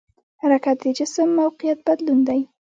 حرکت د جسم موقعیت بدلون دی.